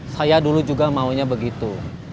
saya dulu juga maunya begitu